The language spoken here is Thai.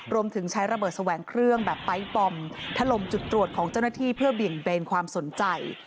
รวมถึงใช้ระเบิดแสวงเครื่องแบบไปร์ทบอมถล่มจุดตรวจของเจ้าหน้าที่เพื่อเบี่ยงเบนความสนใจ